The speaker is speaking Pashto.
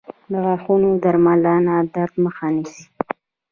• د غاښونو درملنه د درد مخه نیسي.